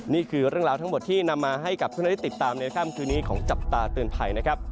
นี่คือเรื่องราวทั้งหมดที่นำมาให้กับทุกท่านได้ติดตามในค่ำคืนนี้ของจับตาเตือนภัยนะครับ